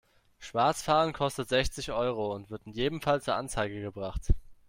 Schwarzfahren kostet sechzig Euro und wird in jedem Fall zur Anzeige gebracht.